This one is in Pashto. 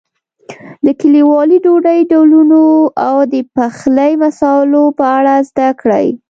د کلیوالي ډوډۍ ډولونو او د پخلي مسالو په اړه زده کړئ.